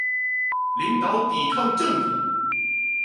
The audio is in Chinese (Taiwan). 領導抵抗政府